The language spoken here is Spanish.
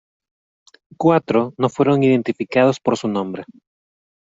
Cuatro no fueron identificados por su nombre.